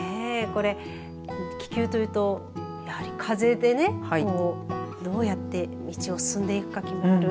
これ、気球というとやはり風でねどうやって道を進んでいくか決める